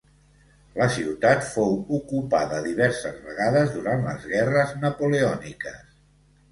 La ciutat fou ocupada diverses vegades durant les Guerres Napoleòniques.